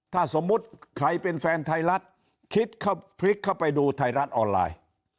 ถ้าสมมติใครเป็นแฟนไทยรัฐคลิกเข้าไปดูไทยรัฐออนไลน์